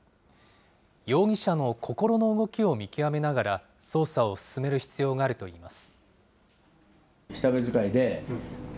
容疑者の心の動きを見極めながら、捜査を進める必要があるといいます。